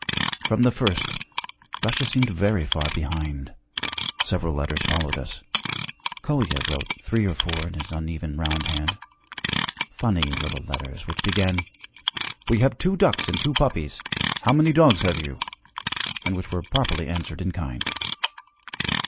From the first Russia seemed very far behind. Several letters followed us. Kolya wrote three or four in his uneven round hand funny little letters which began, 'We have two ducks and two puppies. How many dogs have you?' and which were properly answered in kind.